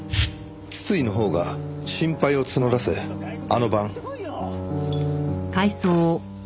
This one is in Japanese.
筒井のほうが心配を募らせあの晩。